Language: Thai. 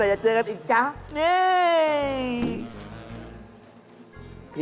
อ้าวจะเจอกันอีกหรือป่าว